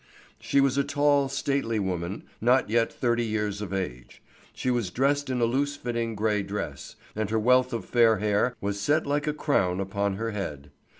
She was a tall, stately woman, not yet thirty years of age. She was dressed in a loose fitting grey dress, and her wealth of fair hair was set like a crown upon her head.